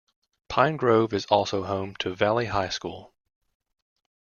Pine Grove is also home to Valley High School.